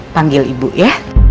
panggil ibu ya